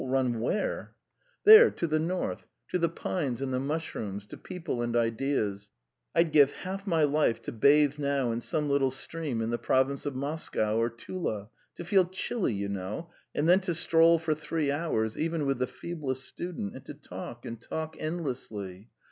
"Run where?" "There, to the North. To the pines and the mushrooms, to people and ideas. ... I'd give half my life to bathe now in some little stream in the province of Moscow or Tula; to feel chilly, you know, and then to stroll for three hours even with the feeblest student, and to talk and talk endlessly.